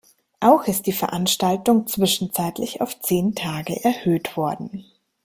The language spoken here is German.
Auch ist die Veranstaltung zwischenzeitlich auf zehn Tage erhöht worden.